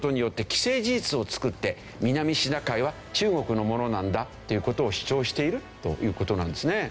既成事実を作って南シナ海は中国のものなんだっていう事を主張しているという事なんですね。